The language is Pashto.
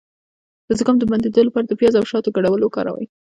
د زکام د بندیدو لپاره د پیاز او شاتو ګډول وکاروئ